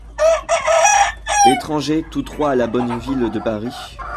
Étrangers tous trois à la bonne ville de Paris ?…